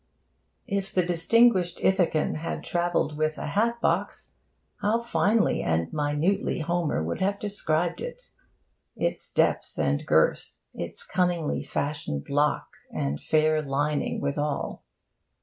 If the distinguished Ithacan had travelled with a hat box, how finely and minutely Homer would have described it its depth and girth, its cunningly fashioned lock and fair lining withal!